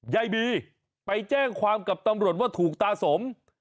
ยายบีไปแจ้งความกับตำรวจว่าถูกตาสม